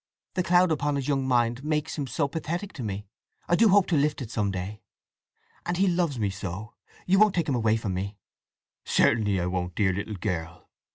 The cloud upon his young mind makes him so pathetic to me; I do hope to lift it some day! And he loves me so. You won't take him away from me?" "Certainly I won't, dear little girl!